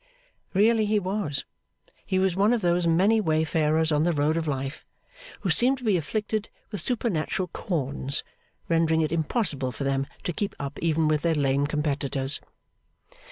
Really he was. He was one of those many wayfarers on the road of life, who seem to be afflicted with supernatural corns, rendering it impossible for them to keep up even with their lame competitors.